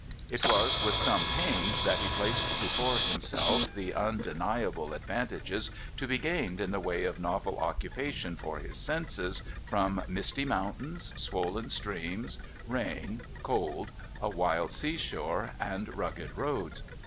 It was with some pains that he placed before himself the un deniable advantage to be gained in the way of novel occupation for his senses from misty mountains, swollen streams, rain, cold, a wild seasliore, and rugged roads.